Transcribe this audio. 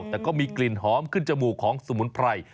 แต่ก็มีกลิ่นหอมขึ้นจมูกของสมุนไพร